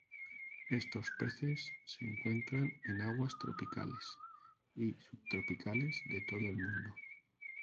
Estos peces se encuentran en aguas tropicales y subtropicales de todo el mundo.